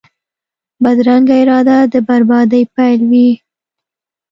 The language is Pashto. بدرنګه اراده د بربادۍ پیل وي